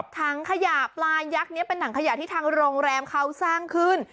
ถังขยะปลายักษ์นี้เป็นถังขยะที่ทางโรงแรมเขาสร้างขึ้น